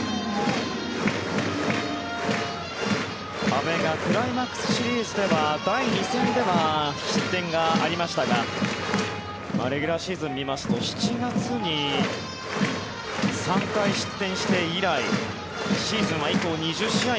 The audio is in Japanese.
阿部がクライマックスシリーズでは第２戦では失点がありましたがレギュラーシーズン見ますと７月に３回失点して以来シーズンは以降２０試合